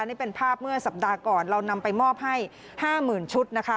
นี่เป็นภาพเมื่อสัปดาห์ก่อนเรานำไปมอบให้๕๐๐๐ชุดนะคะ